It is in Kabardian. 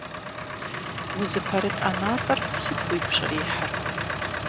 Узыпэрыт ӀэнатӀэр сыт уигу щӀрихьыр?